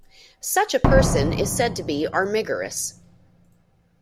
Such a person is said to be armigerous.